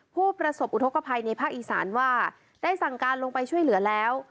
ผู้ประสบอุทธกภัยในภาคอีสานว่าได้สั่งการลงไปช่วยเหลือแล้ว